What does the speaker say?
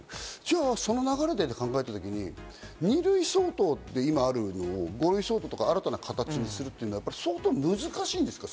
じゃあその流れで考えたとき、２類相当で今、あるのを５類相当とか新たな形にするというのは相当難しいですか？